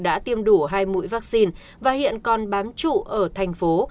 đã tiêm đủ hai mũi vaccine và hiện còn bám trụ ở thành phố